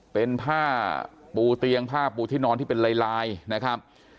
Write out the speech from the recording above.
เป็นผ้าปูเตียงผ้าปูที่นอนที่เป็นลายนะครับ